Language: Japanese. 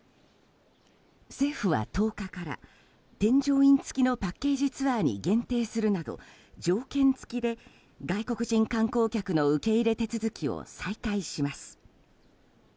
政府は１０日から添乗員付きのパッケージツアーに限定するなど、条件付きで外国人観光客の受け入れ手続きを再開します。